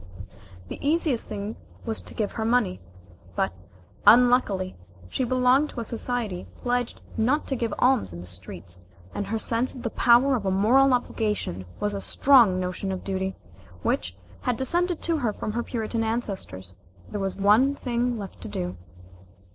The easiest thing was to give her money. But, unluckily, she belonged to a society pledged not to give alms in the streets, and her sense of the power of a moral obligation was a strong notion of duty, which had descended to her from her Puritan ancestors. There was one thing left to do.